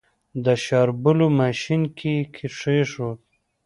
د شاربلو ماشين کې يې کېښود.